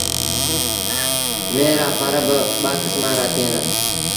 ميݩهن رآ ڦر ٻآ کسمآݩ رآ ٿئيٚݩ دآ۔